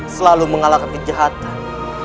selalu mengalahkan kejahatan